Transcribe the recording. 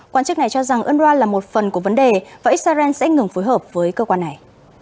quan chức này cho rằng unrwa là một phần của vấn đề và israel sẽ ngừng phối hợp với cơ quan này